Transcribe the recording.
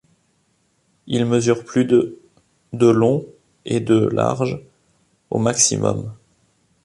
Il mesure plus de de long et de large au maximum.